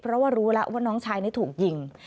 เพราะว่ารู้แล้วว่าน้องชายนี้ถูกยิง